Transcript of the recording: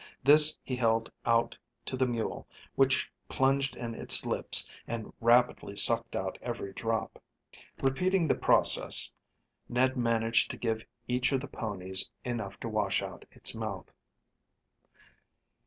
This he held out to the mule, which plunged in its lips and rapidly sucked out every drop. Repeating the process, Ned managed to give each of the ponies enough to wash out its mouth.